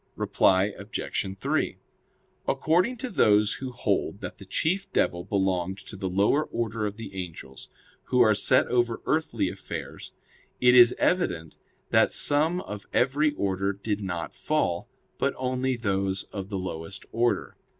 Reply Obj. 3: According to those who hold that the chief devil belonged to the lower order of the angels, who are set over earthly affairs, it is evident that some of every order did not fall, but only those of the lowest order.